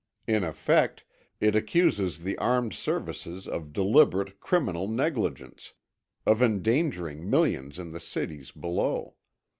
In effect, it accuses the armed services of deliberate, criminal negligence, of endangering millions in the cities below.